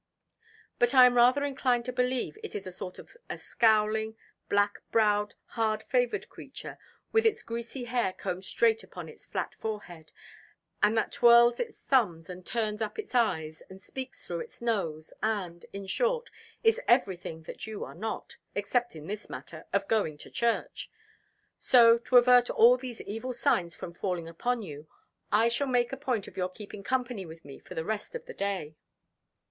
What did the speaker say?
But I am rather inclined to believe it is a sort of a scowling, black browed, hard favoured creature, with its greasy hair combed straight upon its flat forehead, and that twirls its thumbs, and turns up its eyes, and speaks through its nose and, in short, is everything that you are not, except in this matter of going to church. So, to avert all these evil signs from falling upon you, I shall make a point of your keeping company with me for the rest of the day."